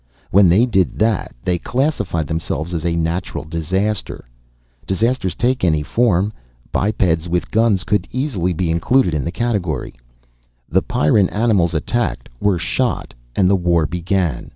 "When they did that they classified themselves as a natural disaster. Disasters take any form. Bipeds with guns could easily be included in the category. The Pyrran animals attacked, were shot, and the war began.